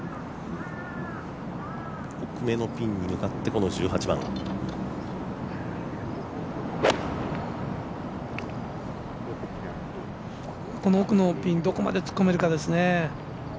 奥目のピンに向かって、１８番この奥のピン、どこまで突っ込めるかですね。